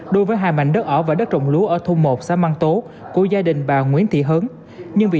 đối với hai mảnh đất ở và đất trộm lúa ở thôn một xã mạng tố của gia đình bà nguyễn thị hớn nhưng vì